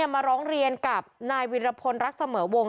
มาร้องเรียนกับนายวิรพลรักเสมอวง